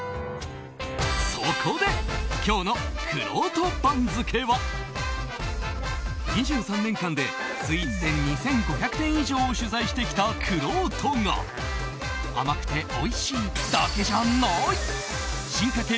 そこで、今日のくろうと番付は２３年間でスイーツ店２５００店以上を取材してきたくろうとが甘くておいしいだけじゃない進化系